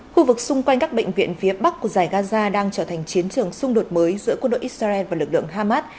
khu vực xung quanh các bệnh viện phía bắc của giải gaza đang trở thành chiến trường xung đột mới giữa quân đội israel và lực lượng hamas